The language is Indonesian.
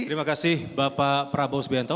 terima kasih bapak prabowo subianto